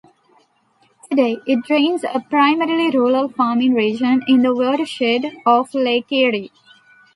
Today, it drains a primarily rural farming region in the watershed of Lake Erie.